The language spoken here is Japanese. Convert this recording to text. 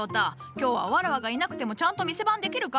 きょうはわらわがいなくてもちゃんと店番できるか？